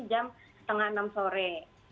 jam setengah enam sore